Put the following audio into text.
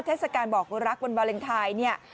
เทศกาลบอกรักวันวาเลนไทยเนี่ย